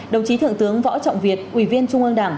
đồng chí thượng tướng võ trọng việt ủy viên trung ương đảng